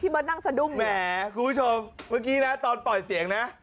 แม่คุณผู้ชมเมื่อกี้นะตอนปล่อยเสียงนะ